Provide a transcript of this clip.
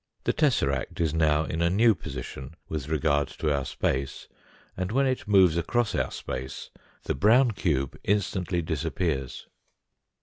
The tesseract is now in a new position with regard to our space, and when it moves across our space the brown cube instantly disappears.